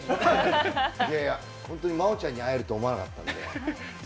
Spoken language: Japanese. ホントに真央ちゃんに会えると思わなかったんで。